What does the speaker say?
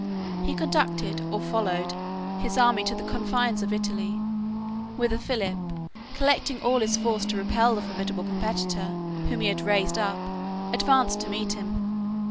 He conducted, or followed, his army to the confines of Italy, whither Philip, collecting all his force to repel the formidable competitor whom he had raised up, advanced to meet him.